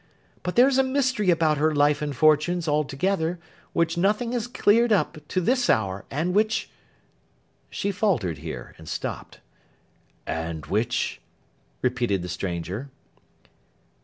But there's a mystery about her life and fortunes, altogether, which nothing has cleared up to this hour, and which—' She faltered here, and stopped. 'And which'—repeated the stranger.